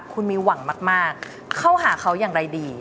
คุณมีหวังมากเข้าหาเขาอย่างไรดี